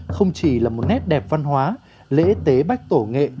không chỉ là một nét đẹp văn hóa lễ tế bách tổ nghệ